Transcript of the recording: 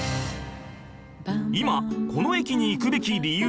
今この駅に行くべき理由